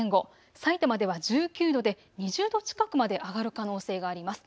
さいたまでは１９度で２０度近くまで上がる可能性があります。